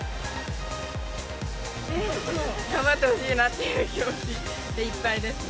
もう頑張ってほしいなっていう気持ちでいっぱいですね。